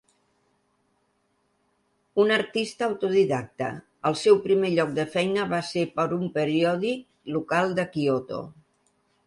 Un artista autodidacta, el seu primer lloc de feina va ser per un periòdic local de Kioto.